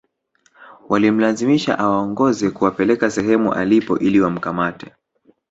Walimlazimisha awaongoze kuwapeleka sehemu alipo ili wamkamate